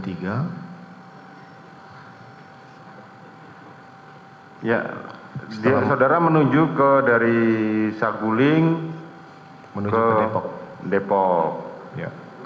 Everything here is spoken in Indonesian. ya saudara menuju ke dari saguling ke depok